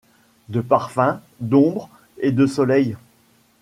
De parfums ; d'ombre et de soleil !